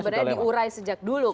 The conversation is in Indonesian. sebenarnya diurai sejauh ini